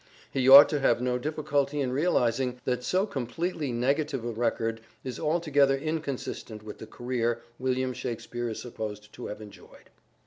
He ought to have no difficulty in realizing that so completely negative a record is altogether inconsistent with the career William Shakspere is supposed to have enjoyed.